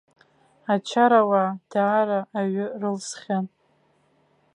Ачарауаа даара аҩы рылсхьан.